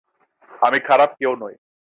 আমি খারাপ কেউ নই।